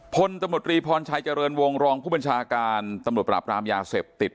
พลตำรวจรีพรชัยเจริญวงรองผู้บัญชาการตำรวจปราบรามยาเสพติด